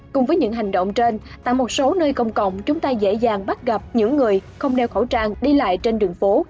cùng với những hành động trên tại một số nơi công cộng chúng ta dễ dàng bắt gặp những người không đeo khẩu trang đi lại trên đường phố